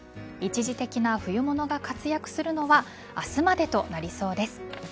一時的な冬物が活躍するのは明日までとなりそうです。